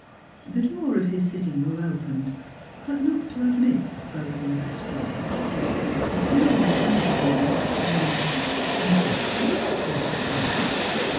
The door of his sitting room opened, but not to admit a prosing vestryman. The smiling handmaiden announced " Miss Luttrell, if you please, sir."